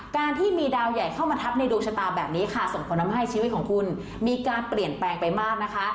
การที่มีดาวใหญ่เข้ามาทับในดวงชะตาแบบนี้ค่ะส่งผลทำให้ชีวิตของคุณมีการเปลี่ยนแปลงไปมากนะคะ